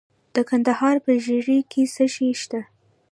د کندهار په ژیړۍ کې څه شی شته؟